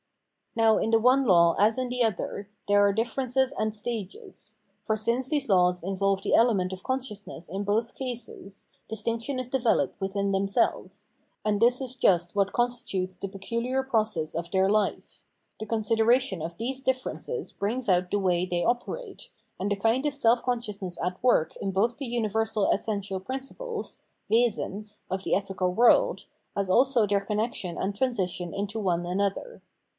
Now in the one law as in the other there are differences and stages. For since these laws involve the element of consciousness in both cases, distinction is developed within themselves : and this is just what constitutes the pecuhar process of their life. The consideration of these differences brings out the way they operate, and the kind of self consciousness at work in both the uni versal essential principles (Wesen) of the ethical world, as also their connection and transition into one an other.